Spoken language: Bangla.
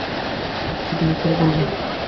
আচ্ছা, তুমি করেই বলব।